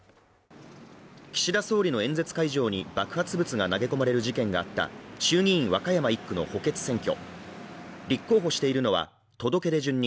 岸田総理の演説会場に爆発物が投げ込まれる事件があった衆議院和歌山１区の補欠選挙。